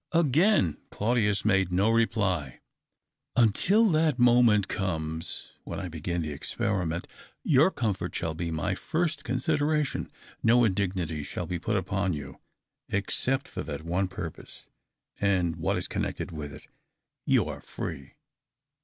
Again Claudius made no reply. " Until that moment comes when I beo^in the experiment, your comfort shall be my first consideration ; no indignity shall be put upon you ; except for that one purpose, and what is connected with it, you are free."